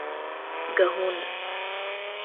‘Gahunda’